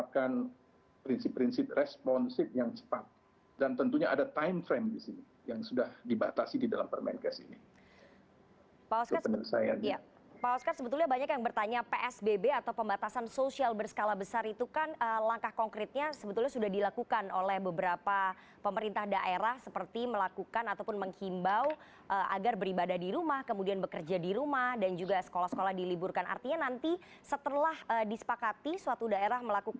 pembatasan sosial berskala besar